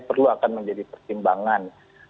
perlu akan menjadi pertimbangan